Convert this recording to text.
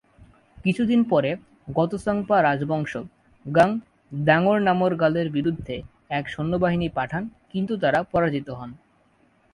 কিছুদিন পরে গ্ত্সাং-পা রাজবংশ ঙ্গাগ-দ্বাং-র্নাম-র্গ্যালের বিরুদ্ধে এক সৈন্যবাহিনী পাঠান কিন্তু তারা পরাজিত হন।